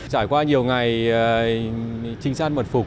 trải qua nhiều ngày trinh sát mật phục